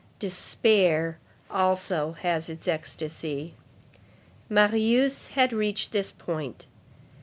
Despair, also, has its ecstasy. Marius had reached this point.